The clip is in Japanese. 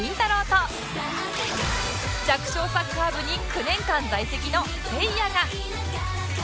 と弱小サッカー部に９年間在籍のせいやが